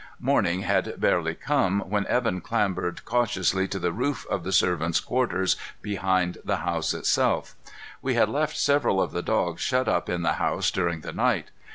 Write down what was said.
Morning had barely come when Evan clambered cautiously to the roof of the servants' quarters behind the house itself. We had left several of the dogs shut up in the house during the night.